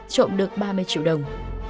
trộm được ba mươi triệu đồng